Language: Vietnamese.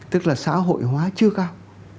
tức là xã hội hóa chưa cao